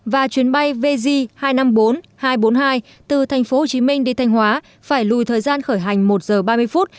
và chuyến bay vz hai trăm năm mươi bốn hai trăm bốn mươi hai từ tp hcm đi thanh hóa phải lùi thời gian khởi hành một giờ ba mươi phút